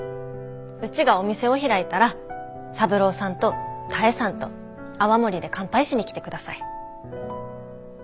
うちがお店を開いたら三郎さんと多江さんと泡盛で乾杯しに来てください。